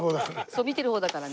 見てる方だから。